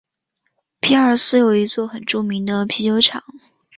皮尔斯有一座很著名的啤酒厂。